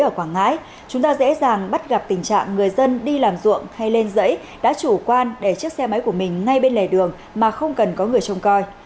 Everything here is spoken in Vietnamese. ở quảng ngãi chúng ta dễ dàng bắt gặp tình trạng người dân đi làm ruộng hay lên giấy đã chủ quan để chiếc xe máy của mình ngay bên lề đường mà không cần có người trông coi